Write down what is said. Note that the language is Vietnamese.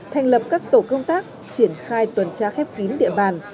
thành lập các tổ công tác triển khai tuần tra khép kín địa bàn